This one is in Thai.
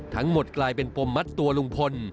ทั้งหมดกลายเป็นฟรมมัดตัวลุงพล